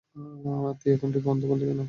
তুই এখন টিভি বন্ধ করলি কেন?